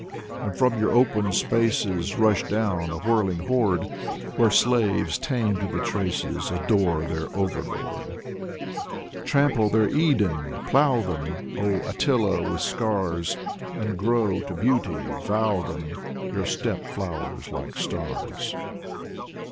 And from your open spaces Rush down, a whirling horde, Where slaves tamed to the traces Adore their overlord. io8 Vyacheslav Ivanov Trample their Edens, plow them. Oh, Attila, with scars. And grow — to Beauty vow them— Your steppe flowers like stars.